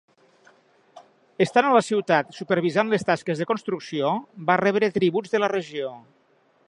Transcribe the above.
Estant a la ciutat supervisant les tasques de construcció, va rebre tributs de la regió.